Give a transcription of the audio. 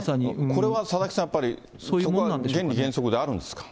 これは佐々木さん、そういうのが原理原則であるんですか？